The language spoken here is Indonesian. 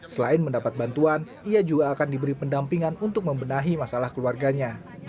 selain mendapat bantuan ia juga akan diberi pendampingan untuk membenahi masalah keluarganya